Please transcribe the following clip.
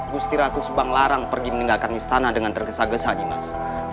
gusti ratu subang larang pergi meninggalkan istana dengan tergesa gesa nih mas